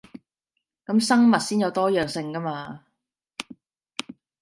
噉生物先有多樣性 𠺢 嘛